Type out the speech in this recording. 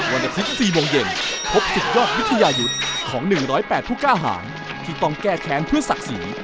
วันอาทิตย์๔โมงเย็นพบสุดยอดวิทยายุทธ์ของ๑๐๘ผู้กล้าหารที่ต้องแก้แค้นเพื่อศักดิ์ศรี